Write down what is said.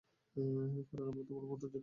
কারণ আমরা তোমার মতন যোগ্য নই?